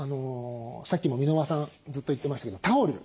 さっきも箕輪さんずっと言ってましたけどタオル。